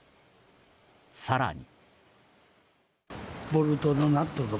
更に。